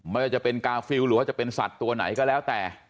ไม่ว่าจะเป็นกาฟิลหรือว่าจะเป็นสัตว์ตัวไหนก็แล้วแต่